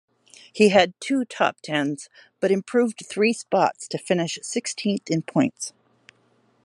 He had two top-tens but improved three spots to finish sixteenth in points.